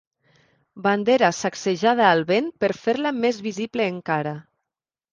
Bandera sacsejada al vent per fer-la més visible encara.